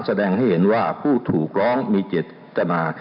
แสดงให้เห็นว่าผู้ถูกร้องมีเจตนา